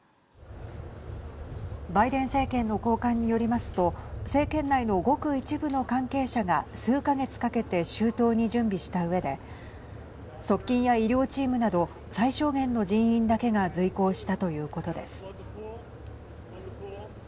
バイデン政権の高官によりますと政権内のごく一部の関係者が数か月かけて周到に準備したうえで側近や医療チームなど最小限の人員だけが随行したということです。